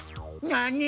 なに？